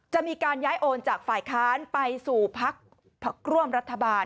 จะมีการย้ายโอนจากฝ่ายค้านไปสู่พักร่วมรัฐบาล